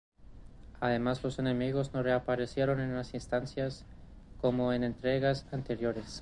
Además los enemigos no reaparecen en las instancias como en entregas anteriores.